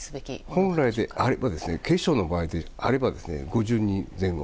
本来であれば警視庁の場合であれば５０人前後。